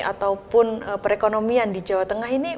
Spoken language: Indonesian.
ataupun perekonomian di jawa tengah ini